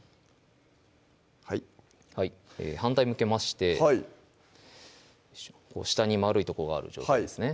はい反対向けまして下に丸いとこがある状態ですね